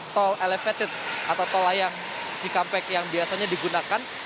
tol elevated atau tol layang cikampek yang biasanya digunakan